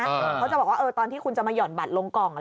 เขาจะบอกว่าตอนที่คุณจะมาหย่อนบัตรลงกล่อง